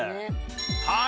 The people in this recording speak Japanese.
はい！